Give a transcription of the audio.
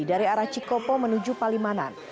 dari arah cikopo menuju palimanan